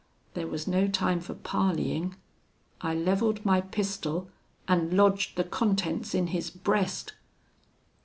There was no time for parleying I levelled my pistol and lodged the contents in his breast!